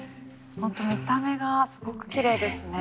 本当見た目がすごくきれいですね。